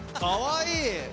かわいい。